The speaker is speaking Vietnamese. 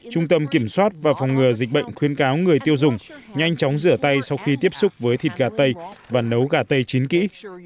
trung tâm kiểm soát và phòng ngừa dịch bệnh khuyến cáo người tiêu dùng nhanh chóng rửa tay sau khi tiếp xúc với thịt gà tây và nấu gà tây chín kỹ